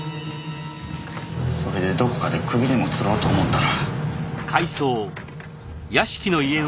それでどこかで首でも吊ろうと思ったら。